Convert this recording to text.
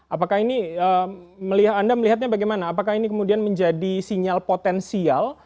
apakah ini anda melihatnya bagaimana apakah ini kemudian menjadi sinyal potensial